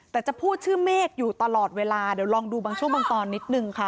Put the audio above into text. แต่จะพูดชื่อเมฆอยู่ตลอดเวลาเดี๋ยวลองดูบางช่วงบางตอนนิดนึงค่ะ